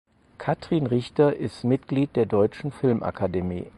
Kathrin Richter ist Mitglied der Deutschen Filmakademie.